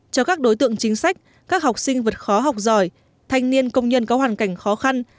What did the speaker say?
cho các đối tượng chính sách các học sinh vượt khó học giỏi thanh niên công nhân có hoàn cảnh khó khăn